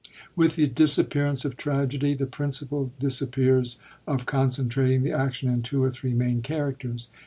With the disappearance of tragedy, the principle dis appears of concentrating the action in two or three main characters.